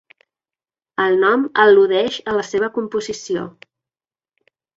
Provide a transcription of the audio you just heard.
El nom al·ludeix a la seva composició.